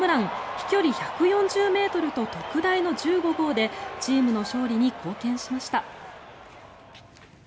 飛距離１４０ｍと特大の１５号でチームの勝利に貢献しました。